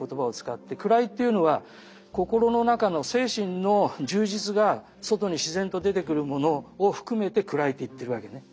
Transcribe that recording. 位っていうのは心の中の精神の充実が外に自然と出てくるものを含めて位って言ってるわけね。